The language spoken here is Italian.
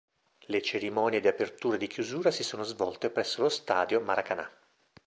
Le cerimonie di apertura e di chiusura si sono svolte presso lo Stadio Maracanã.